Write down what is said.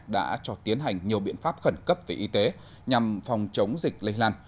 đã cho tiến hành nhiều biện pháp khẩn cấp về y tế nhằm phòng chống dịch lây lan